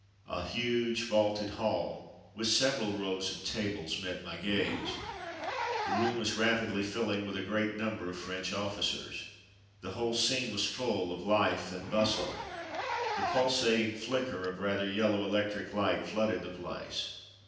A huge, vaulted hall, with several rows of tables, met my gaze. The room was rapidly filling with a great number of French officers. The whole scene was full of Hfe and bustle. The pulsating flicker of rather yellow electric light flooded the place.